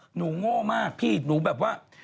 โง่มากพี่หนูแบบว่า